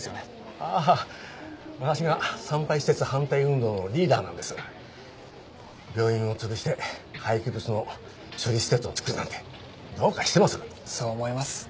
ああ私が産廃施設反対運動のリーダーなんです病院を潰して廃棄物の処理施設を造るなんてどうかしてますそう思います